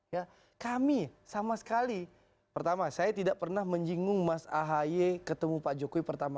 ya kami sama sekali pertama saya tidak pernah menyinggung mas ahaye ketemu pak jokowi pertama